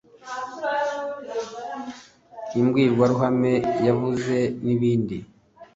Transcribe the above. imbwirwaruhame yavuze n’ibindi